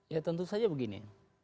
ya tentu saja begini